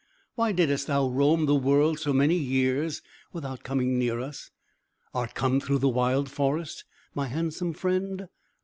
Why didst thou roam the world so many years without coming near us? Art come through the wild forest, my handsome friend?"